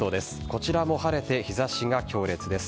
こちらも晴れて日差しが強烈です。